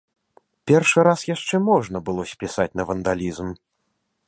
Першы раз яшчэ можна было спісаць на вандалізм.